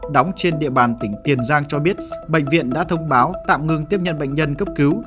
đóng trên địa bàn tỉnh tiền giang cho biết bệnh viện đã thông báo tạm ngừng tiếp nhận bệnh nhân cấp cứu